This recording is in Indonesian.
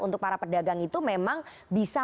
untuk para pedagang itu memang bisa